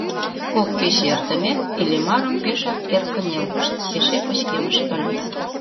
Кок кече эртымек, Иллимарым пешак эр кынелтышт, эше пычкемыш ыле.